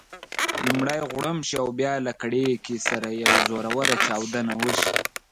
لومړی غړومب شي او بیا له کړېکې سره یوه زوروره چاودنه وشي.